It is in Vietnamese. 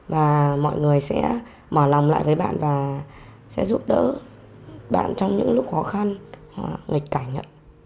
và mọi người sẽ mở lòng lại với bạn và sẽ giúp đỡ bạn trong những lúc khó khăn nghịch cảnh